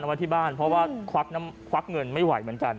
ไว้ที่บ้านเพราะว่าควักเงินไม่ไหวเหมือนกัน